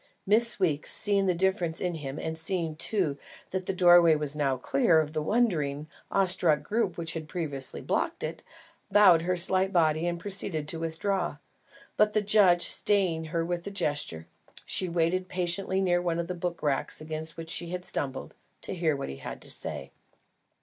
Miss Weeks, seeing the difference in him, and seeing too, that the doorway was now clear of the wondering, awestruck group which had previously blocked it, bowed her slight body and proceeded to withdraw; but the judge, staying her by a gesture, she waited patiently near one of the book racks against which she had stumbled, to hear what he had to say.